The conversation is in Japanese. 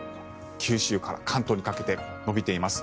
九州から関東にかけて延びています。